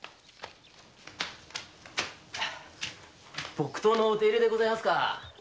木刀のお手入れでございますか。